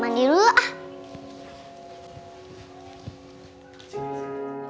mandi dulu ah